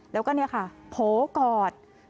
แล้วก็โผล่กอด